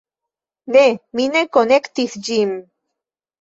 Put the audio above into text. Ne! mi ne konektis ĝin